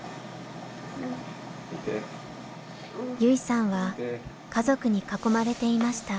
優生さんは家族に囲まれていました。